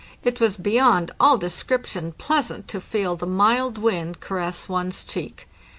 It was beyond all description pleasant to feel the mild wind caress one's cheek.